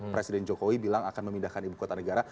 presiden jokowi bilang akan memindahkan ibu kota negara